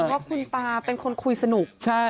เพราะคุณตาเป็นคนคุยสนุก